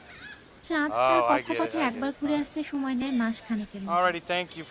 চাঁদ তার কক্ষপথে একবার ঘুরে আসতে সময় নেয় মাস খানেকের মতো।